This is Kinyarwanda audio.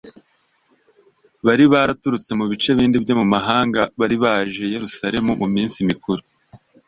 bari baraturutse mu bice bindi byo mu mahanga bari baraje i Yerusalemu mu munsi mukuru